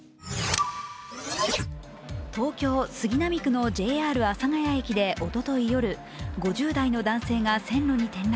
東京・杉並区のＪＲ阿佐ヶ谷駅でおととい夜、５０代の男性が線路に転落。